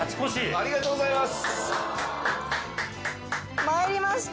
ありがとうございます！